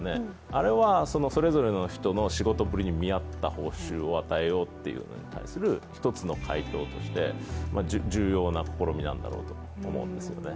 あれはそのそれぞれの人の仕事ぶりに見合った報酬を与えようというのに対する一つの解答で、重要な試みなんだと思うんですね。